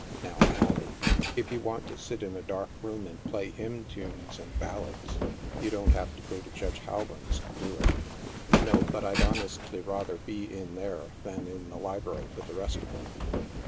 " Now, Allie ! If you want to sit in a dark room and play hymn tunes and ballads, you don't have to go to Judge Rowland's to do it." " No. But I'd honestly rather be in there than in the library with the rest of them.